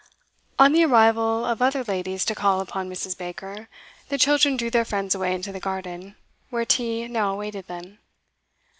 On the arrival of other ladies to call upon Mrs. Baker, the children drew their friends away into the garden, where tea now awaited them.